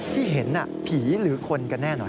ที่เห็นผีหรือคนกันแน่นอน